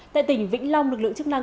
tại tỉnh vĩnh long lực lượng chức năng